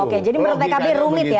oke jadi menurut pkb rumit ya